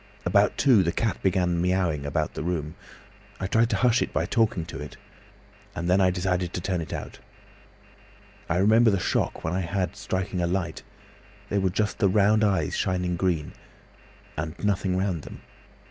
About two, the cat began miaowing about the room. I tried to hush it by talking to it, and then I decided to turn it out. I remember the shock I had when striking a light—there were just the round eyes shining green—and nothing round them.